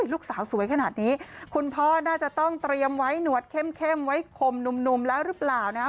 ลูกสาวสวยขนาดนี้คุณพ่อน่าจะต้องเตรียมไว้หนวดเข้มไว้คมหนุ่มแล้วหรือเปล่านะครับ